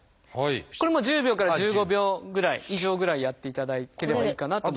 これも１０秒から１５秒ぐらい以上ぐらいやっていただければいいかなと。